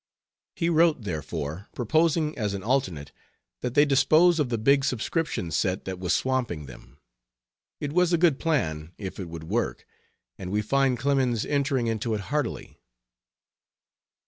He wrote, therefore, proposing as an alternate that they dispose of the big subscription set that was swamping them. It was a good plan if it would work and we find Clemens entering into it heartily.